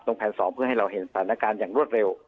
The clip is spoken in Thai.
ตรงแผน๒เพื่อให้เราเห็นปรากฏจากศัลย์รวดเร็ว